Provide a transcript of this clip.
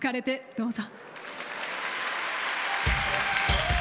どうぞ。